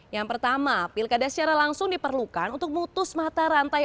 yang pertama pilkada secara langsung diperlukan untuk mutus mata rantai